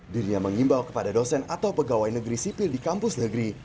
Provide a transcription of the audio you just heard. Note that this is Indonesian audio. dirinya mengimbau kepada dosen atau pegawai negeri sipil di kampus negeri